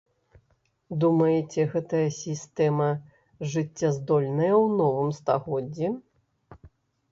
Думаеце гэтая сістэма жыццяздольная ў новым стагоддзі?